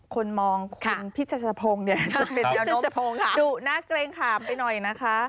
คนมองคุณพิชชะพงค่ะเป็นแนวโน้มดุหน้าเกรงขาบไปหน่อยนะคะ